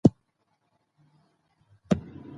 جګړه او سوله د هغه تر ټولو لوی اثر دی.